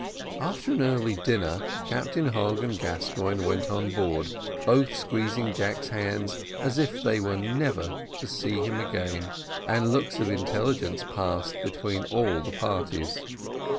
After an early dinner, Captain Hogg and Gascoigne went on board, both squeezing Jack's hand as if they were never to see him again, and looks of intelligence passed between all the parties.